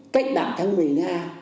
cách bảng tháng một mươi nga